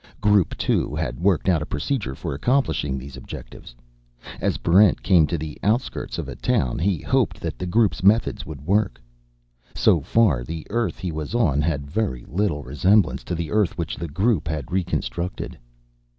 Group Two had worked out a procedure for accomplishing these objectives. As Barrent came to the outskirts of a town, he hoped that the Group's methods would work. So far, the Earth he was on had very little resemblance to the Earth which the Group had reconstructed.